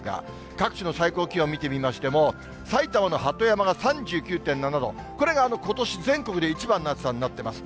各地の最高気温見てみましても、埼玉の鳩山が３９．７度、これがことし全国で一番の暑さになってます。